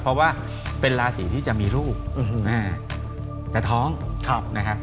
เพราะว่าเป็นราศีที่จะมีลูกแต่ท้องนะฮะ